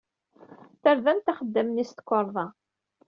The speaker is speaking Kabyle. Terdamt axeddam-nni s tukerḍa.